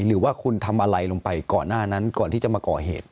หรือว่าคุณทำอะไรลงไปก่อนหน้านั้นก่อนที่จะมาก่อเหตุ